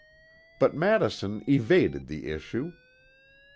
But Madison evaded the issue.